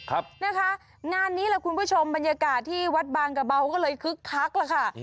ครับนะคะงานนี้แหละคุณผู้ชมบรรยากาศที่วัดบางกระเบาก็เลยคึกคักแล้วค่ะ